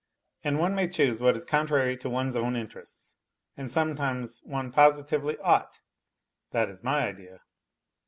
And one may choose what is contrary to one's own interests, and sometimes one positively ought (that is my idea).